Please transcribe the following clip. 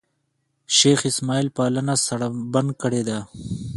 شېخ اسماعیل پالنه سړبن کړې ده.